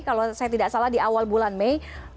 kalau saya tidak salah di awal bulan mei